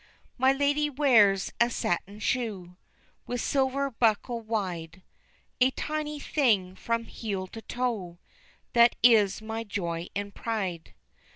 My ladye wears a satin shoe, With silver buckle wide, A tiny thing from heel to toe That is my joy and pride.